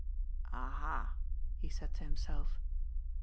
"Aha," he said to himself.